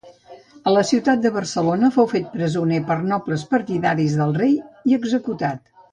A la ciutat de Barcelona fou fet presoner per nobles partidaris del rei i executat.